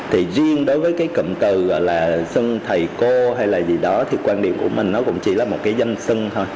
thì riêng đối với cái cụm từ gọi là xưng thầy cô hay là gì đó thì quan điểm của mình nó cũng chỉ là một cái danh sưng thôi